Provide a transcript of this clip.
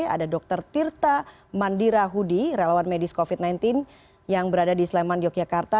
ada dr tirta mandira hudi relawan medis covid sembilan belas yang berada di sleman yogyakarta